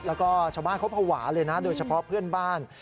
แล้วก็ชาวบ้านเขาภาวะเลยนะโดยเฉพาะเพื่อนบ้าน